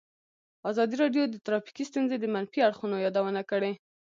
ازادي راډیو د ټرافیکي ستونزې د منفي اړخونو یادونه کړې.